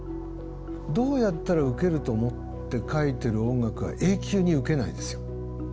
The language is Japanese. どうやったら受けると思って書いてる音楽は永久に受けないですよ。